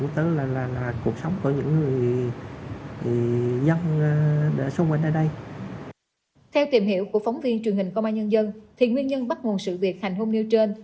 theo tìm hiểu của phóng viên truyền hình công an nhân dân nguyên nhân bắt nguồn sự việc hành hung nêu trên